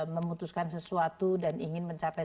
memutuskan sesuatu dan ingin mencapai